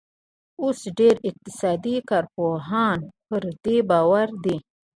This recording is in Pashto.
اوس ډېر اقتصادي کارپوهان پر دې باور دي.